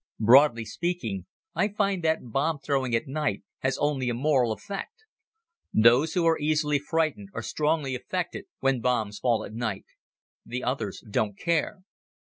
Broadly speaking, I find that bomb throwing at night has only a moral effect. Those who are easily frightened are strongly affected when bombs fall at night. The others don't care.